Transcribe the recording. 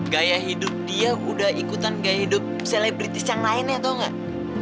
gaya hidup dia udah ikutan gaya hidup selebritis yang lainnya atau enggak